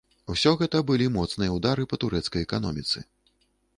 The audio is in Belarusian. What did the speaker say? Усё гэта былі моцныя ўдары па турэцкай эканоміцы.